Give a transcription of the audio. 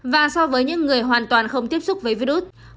và so với những người hoàn toàn không tiếp xúc với virus